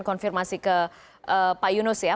konfirmasi ke pak yunus ya